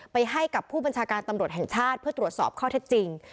ให้กับผู้บัญชาการตำรวจแห่งชาติเพื่อตรวจสอบข้อเท็จจริง